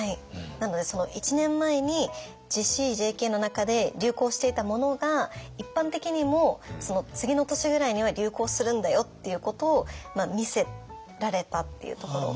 なのでその１年前にＪＣ・ＪＫの中で流行していたものが一般的にもその次の年ぐらいには流行するんだよっていうことを見せられたっていうところが。